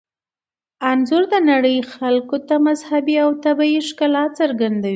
انځور د نړۍ خلکو ته مذهبي او طبیعي ښکلا څرګندوي.